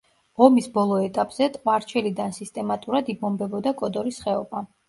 ომის ბოლო ეტაპზე, ტყვარჩელიდან სისტემატურად იბომბებოდა კოდორის ხეობა.